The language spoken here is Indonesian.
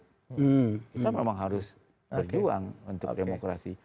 kita memang harus berjuang untuk demokrasi